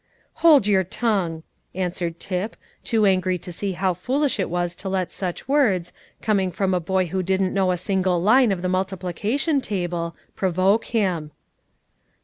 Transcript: "Hold your tongue!" answered Tip, too angry to see how foolish it was to let such words, coming from a boy who didn't know a single line of the multiplication table, provoke him.